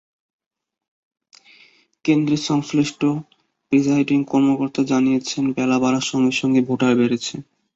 কেন্দ্রের সংশ্লিষ্ট প্রিসাইডিং কর্মকর্তা জানিয়েছেন, বেলা বাড়ার সঙ্গে সঙ্গে ভোটার বেড়েছে।